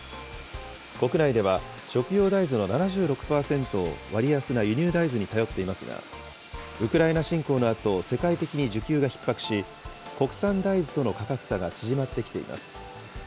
国内では食用大豆の７６％を割安な輸入大豆に頼っていますが、ウクライナ侵攻のあと、世界的に需給がひっ迫し、国産大豆との価格差が縮まってきています。